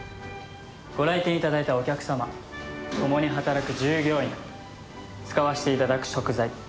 ご来店いただいたお客様共に働く従業員使わせていただく食材。